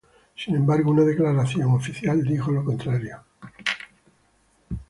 Sin embargo, una declaración oficial dijo lo contrario.